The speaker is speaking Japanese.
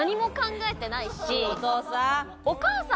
お父さん。